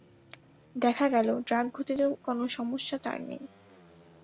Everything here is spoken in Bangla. দেখা গেল, ড্রাগঘটিত কোনো সমস্যা তার নেই।